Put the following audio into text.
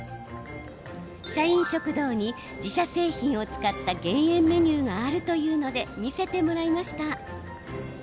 社員食堂に自社製品を使った減塩メニューがあるというので見せてもらいました。